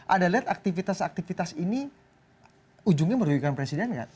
anda lihat aktivitas aktivitas ini ujungnya merugikan presiden nggak